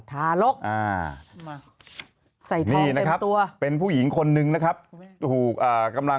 ทารกใส่ทองเต็มตัวนี่นะครับเป็นผู้หญิงคนนึงนะครับ